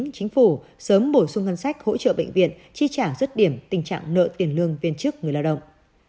bộ tài chính phủ sớm bổ sung hân sách hỗ trợ bệnh viện chi trả rớt điểm tình trạng nợ tiền lương viên chức người lao động